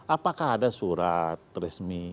apakah ada surat resmi